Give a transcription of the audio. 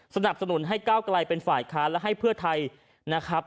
สนับสนุนให้ก้าวไกลเป็นฝ่ายค้านและให้เพื่อไทยนะครับ